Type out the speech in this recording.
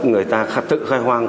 người ta khai hoang